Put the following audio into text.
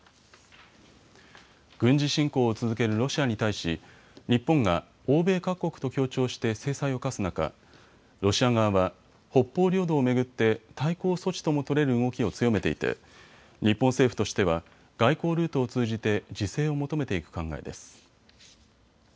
軍事侵攻を続けるロシアに対し日本が欧米各国と協調して制裁を科す中、ロシア側は北方領土を巡って対抗措置とも取れる動きを強めていて日本政府としては外交ルートを通じて自制を求めていく考えです。